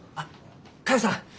佳代さん